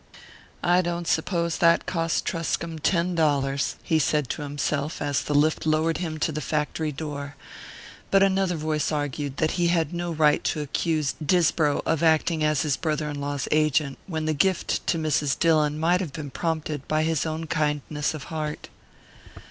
"I don't suppose that cost Truscomb ten dollars," he said to himself, as the lift lowered him to the factory door; but another voice argued that he had no right to accuse Disbrow of acting as his brother in law's agent, when the gift to Mrs. Dillon might have been prompted by his own kindness of heart.